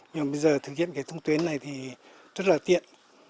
nhưng mà bây giờ thực hiện cái thông tuyến này thì rất là tiện